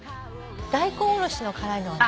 大根おろしの辛いのは何？